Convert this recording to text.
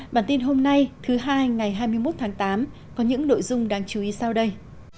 bản tin hôm nay thứ hai ngày hai mươi một tháng tám có những nội dung đáng chú ý sau đây